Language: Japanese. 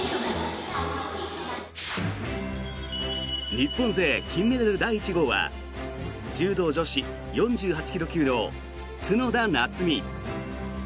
日本勢金メダル第１号は柔道女子４８ｋｇ級の角田夏実。